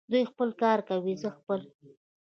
دی خپل کار کوي، زه خپل.